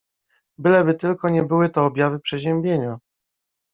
Byleby tylko nie były to objawy przeziębienia…